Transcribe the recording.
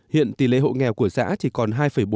hiện tỷ lệ hộ nghèo của xã chỉ còn hai bốn